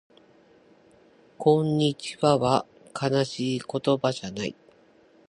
こんにちはは悲しい言葉じゃない